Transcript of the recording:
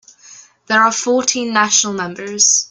There are fourteen National Members.